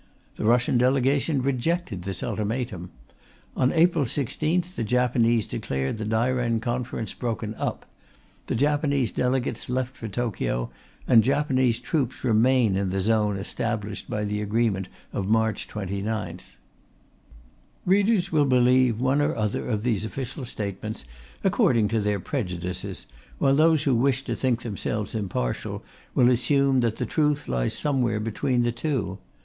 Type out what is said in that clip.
The Russian Delegation rejected this ultimatum. On April 16th the Japanese declared the Dairen Conference broken up. The Japanese delegates left for Tokyo, and Japanese troops remain in the zone established by the agreement of March 29th. Readers will believe one or other of these official statements according to their prejudices, while those who wish to think themselves impartial will assume that the truth lies somewhere between the two.